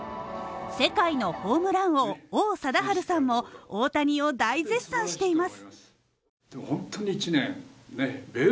世界のホームラン王王貞治さんも、大谷を大絶賛しています。